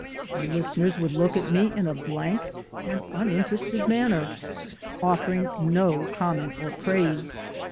My listeners would look at me in a blank and uninterested manner, offering no comment or praise.